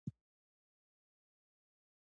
داخلي مخالفینو او د جمعیت